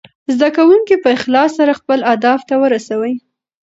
زده کونکي په اخلاص سره خپل اهداف ته ورسوي.